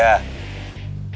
gue tau kok